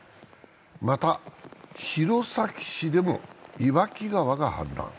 また、弘前市でも岩木川が氾濫。